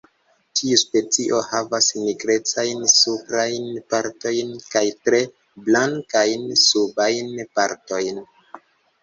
Tiu specio havas nigrecajn suprajn partojn kaj tre blankajn subajn partojn.